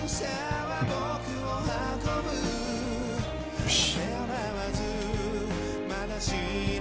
よし！